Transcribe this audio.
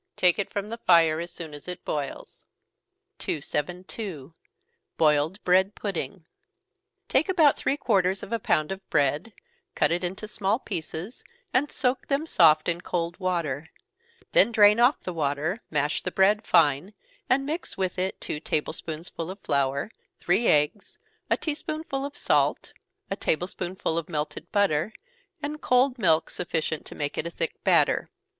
Take it from the fire as soon as it boils. 272. Boiled Bread Pudding. Take about three quarters of a pound of bread, cut it into small pieces, and soak them soft in cold water then drain off the water, mash the bread fine, and mix with it two table spoonsful of flour, three eggs, a tea spoonful of salt, a table spoonful of melted butter, and cold milk sufficient to make it a thick batter.